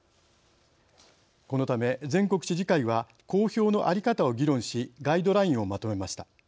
このため全国知事会は公表の在り方を議論しガイドラインをまとめました。